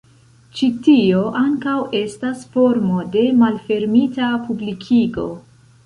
Ĉi tio ankaŭ estas formo de malfermita publikigo.